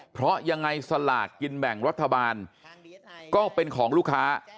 เพราะยังไงสลากกินแบ่งรัฐบาลก็เป็นของลูกค้า